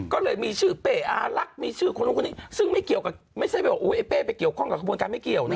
ก็เลยมีชื่อเป๊ะอารักมีชื่อคนละคนซึ่งไม่เกี่ยวกับไม่ใช่ว่าอุ๊ยเป๊ะไปเกี่ยวข้องกับข้อมูลการไม่เกี่ยวนะฮะ